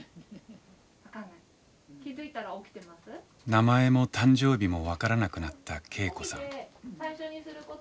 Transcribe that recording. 名前も誕生日も分からなくなった恵子さん。